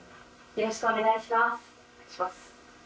よろしくお願いします。